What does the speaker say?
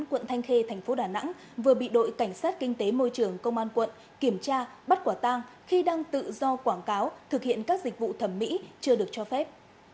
quận thanh khê thành phố đà nẵng vừa bị đội cảnh sát kinh tế môi trường công an quận kiểm tra bắt quả tang khi đang tự do quảng cáo thực hiện các dịch vụ thẩm mỹ chưa được cho phép